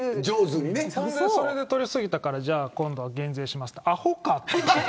それで取り過ぎたから今度は減税しますってあほかって。